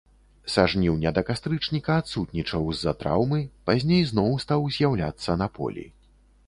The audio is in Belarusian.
Са жніўня да кастрычніка адсутнічаў з-за траўмы, пазней зноў стаў з'яўляцца на полі.